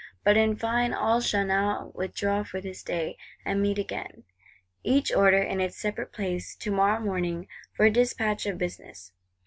But, in fine, all shall now withdraw for this day; and meet again, each Order in its separate place, tomorrow morning, for despatch of business.